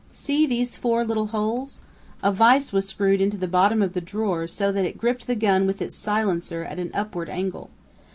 See these four little holes?... A vise was screwed into the bottom of the drawer so that it gripped the gun with its silencer, at an upward angle.